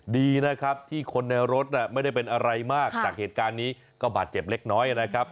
ดีนะครับที่คนในรถไม่ได้เป็นอะไรมากจากเหตุการณ์นี้ก็บาดเจ็บเล็กน้อยนะครับ